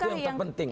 itu yang terpenting